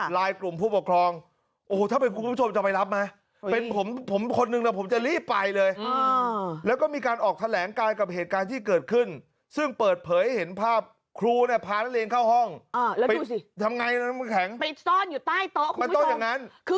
แล้วดูสิปิดซ่อนอยู่ใต้โต๊ะคุณผู้ชมคือกลัวไงอันนี้คือเขาบอกว่าเป็นแผนเผชิญเหตุนะ